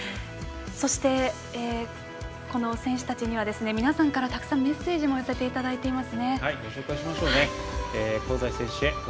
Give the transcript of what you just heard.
そして、この選手たちには皆さんからたくさんメッセージも寄せていただいています。